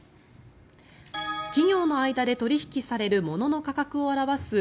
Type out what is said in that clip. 企業の間で取引される物の価格を表す